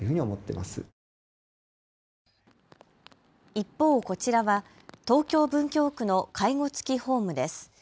一方、こちらは東京文京区の介護付きホームです。